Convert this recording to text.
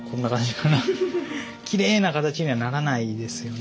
きれいな形にはならないですよね。